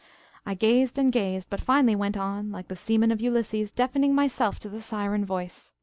I gazed and gazed, but finally went on, like the seamen of Ulysses, deafening myself to the siren voice.